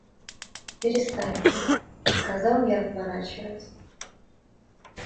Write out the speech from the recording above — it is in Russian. — Перестаньте, — сказал я, отворачиваясь.